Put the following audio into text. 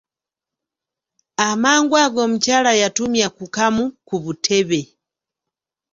Amangu ago omukyala yatumya ku kamu ku butebe.